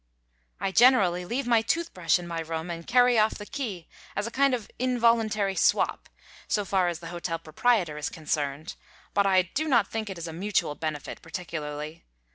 I generally leave my tooth brush in my room and carry off the key as a kind of involuntary swap, so far as the hotel proprietor is concerned, but I do not think it is a mutual benefit, particularly.